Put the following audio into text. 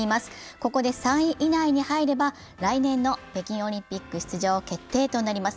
ここで３位以内に入れば、来年の北京オリンピック出場決定となります。